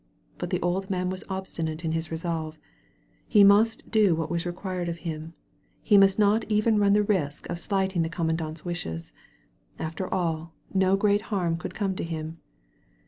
But the old man was obstinate in his resolve; he must do what was required of him, he must not even run the risk of slighting the 6^ A SANCTUARY OF TREES commandant's wishes; after all, no great harm could come to him.